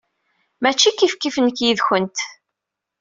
Mačči kifkif nekk yid-kent.